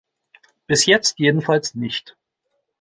Bis jetzt jedenfalls nicht.